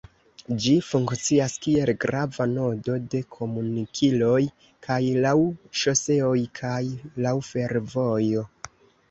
Ĝi funkcias kiel grava nodo de komunikiloj kaj laŭ ŝoseoj kaj laŭ fervojo.